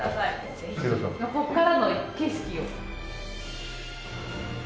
ぜひここからの景色を。